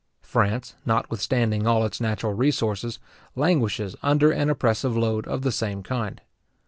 France, notwithstanding all its natural resources, languishes under an oppressive load of the same kind.